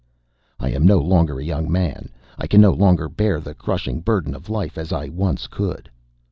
I am no longer a young man. I can no longer bear the crushing burden of life as I once could.